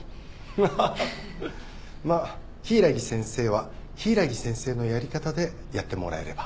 ハハハまっ柊木先生は柊木先生のやり方でやってもらえれば。